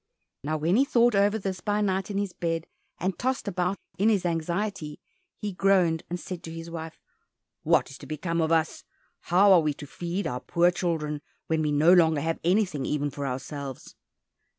Now when he thought over this by night in his bed, and tossed about in his anxiety, he groaned and said to his wife, "What is to become of us? How are we to feed our poor children, when we no longer have anything even for ourselves?"